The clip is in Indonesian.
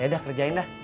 yaudah kerjain dah